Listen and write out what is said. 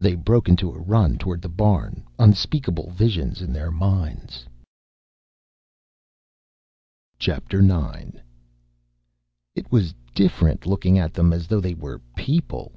They broke into a run toward the barn, unspeakable visions in their minds. IX It was different, looking at them as though they were "people."